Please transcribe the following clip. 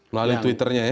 melalui twitternya ya